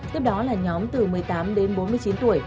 tiếp đó là nhóm từ một mươi tám đến bốn mươi chín tuổi